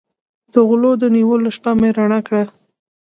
د غلو د نیولو شپه مې رڼه کړه.